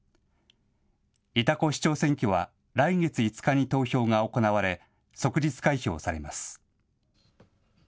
潮来市長選挙は来月５日に投票が行われ即日開票されます。